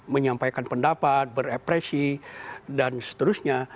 menyampaikan pendapat berepresi dan seterusnya